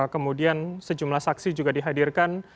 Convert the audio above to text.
kemudian sejumlah saksi juga dihadirkan